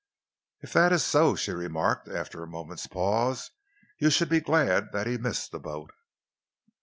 "If that is so," she remarked, after a moment's pause, "you should be glad that he missed the boat."